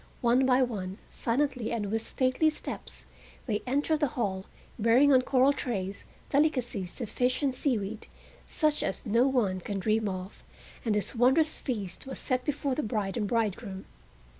One by one, silently and with stately steps, they entered the hall, bearing on coral trays delicacies of fish and seaweed, such as no one can dream of, and this wondrous feast was set before the bride and bridegroom.